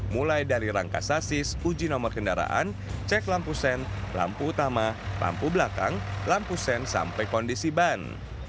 mulai dari rangka sasis uji nomor kendaraan cek lampu sen lampu utama lampu belakang lampu sen sampai kondisi ban